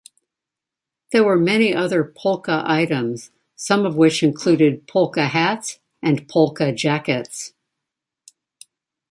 There were many other "polka" items, some of which include "polka-hats" and "polka-jackets".